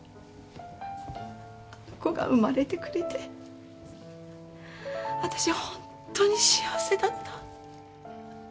あの子が生まれてくれて私はホントに幸せだった。